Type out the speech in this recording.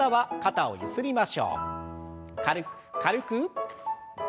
軽く軽く。